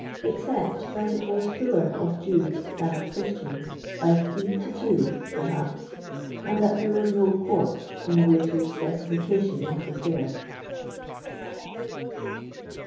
except that it was fuller of Jews than of Chribtiiins, by three to two, per haps, and that there was no *' pork" in the waiter's specification of the fare.